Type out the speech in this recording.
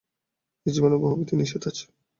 এ জীবনে বহু বিধি-নিষেধ আছে।